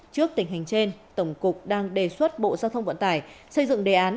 trước tình hình trên tổng cục đang đề xuất bộ giao thông vận tải xây dựng đề án